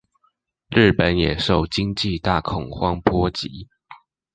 日本也受經濟大恐慌波及